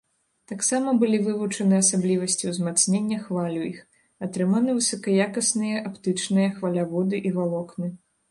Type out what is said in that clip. Таксама былі вывучаны асаблівасці ўзмацнення хваль у іх, атрыманы высакаякасныя аптычныя хваляводы і валокны.